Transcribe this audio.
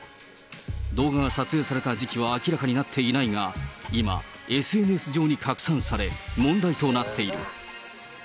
動画が撮影された時期は明らかになっていないが、今、ＳＮＳ上に拡散され、問題となっている。